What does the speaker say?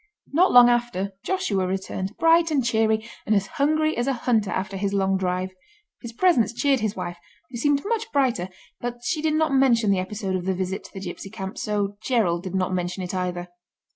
Not long after Joshua returned, bright and cheery, and as hungry as a hunter after his long drive. His presence cheered his wife, who seemed much brighter, but she did not mention the episode of the visit to the gipsy camp, so Gerald did not mention it either.